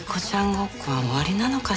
ごっこは終わりなのかしら？